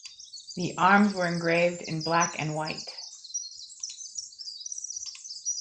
The arms were engraved in black and white.